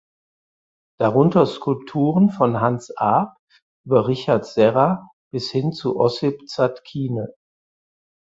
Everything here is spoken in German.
Darunter Skulpturen von Hans Arp über Richard Serra bis hin zu Ossip Zadkine.